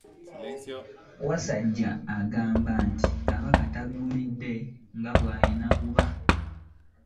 Wasajja agamba nti Kabaka taggumidde nga bw'alina kuba.